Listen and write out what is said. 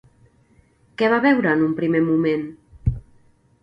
Què va veure en un primer moment?